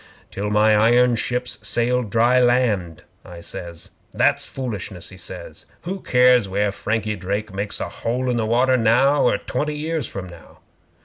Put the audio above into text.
'"Till my iron ships sailed dry land," I says. '"That's foolishness," he says. "Who cares where Frankie Drake makes a hole in the water now or twenty years from now?"